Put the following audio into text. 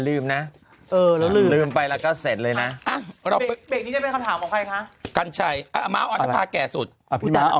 ลืมนะเออแล้วลืมไปแล้วก็เสร็จเลยนะกันใช่แก่สุดพี่มาเอา